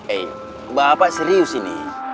eh bapak serius ini